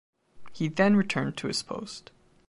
He then returned to his post.